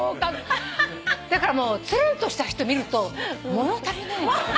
だからもうつるんとした人見ると物足りないのよ。